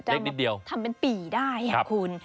เล็กนิดเดียวทำเป็นปี่ได้ค่ะคุณ